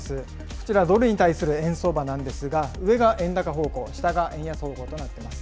こちら、ドルに対する円相場なんですが、上が円高方向、下が円安方向となっています。